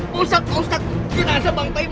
kenapa apik elastic